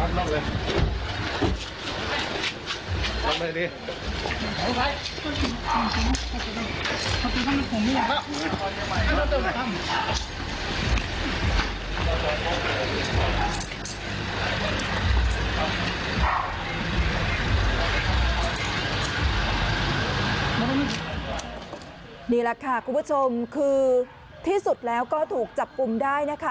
นี่แหละค่ะคุณผู้ชมคือที่สุดแล้วก็ถูกจับกลุ่มได้นะคะ